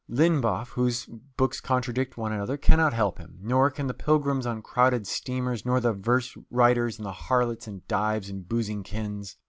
Linboff, whose books contradict one another, cannot help him; nor can the pilgrims on crowded steamers, nor the verse writers and harlots in dives and boozingkens.